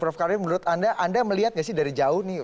prof karim menurut anda anda melihat gak sih dari jauh nih